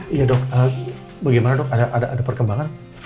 iya dok bagaimana dok ada perkembangan